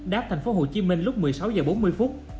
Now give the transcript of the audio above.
đáp thành phố hồ chí minh lúc một mươi sáu h bốn mươi phút